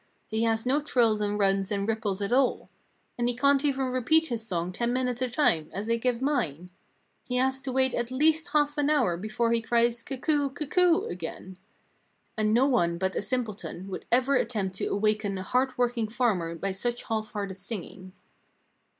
He has no trills and runs and ripples at all! And he can't even repeat his song ten times a minute, as I give mine. He has to wait at least half an hour before he cries 'Cuckoo! cuckoo!' again. And no one but a simpleton would ever attempt to awaken a hard working farmer by such half hearted singing."